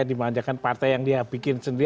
dimanjakan partai yang dia bikin sendiri